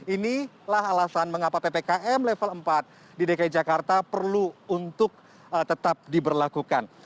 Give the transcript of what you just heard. inilah alasan mengapa ppkm level empat di dki jakarta perlu untuk tetap diberlakukan